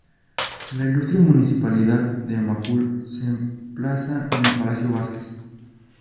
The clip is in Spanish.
La Ilustre Municipalidad de Macul se emplaza en el Palacio Vásquez.